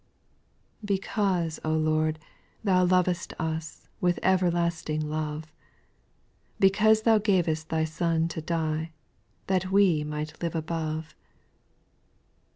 Because, O Lord, Thou lovedst us With everlasting love ; Because Thou gav'st Thy Son to die, That we might live above ; SPIRITUAL SOXaS.